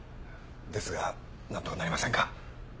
ですが何とかなりませんか？